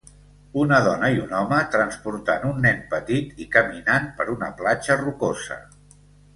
Una dona i un home transportant un nen petit i caminant per una platja rocosa.